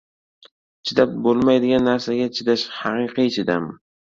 • Chidab bo‘lmaydigan narsaga chidash — haqiqiy chidam.